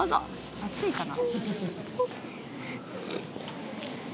熱いかな。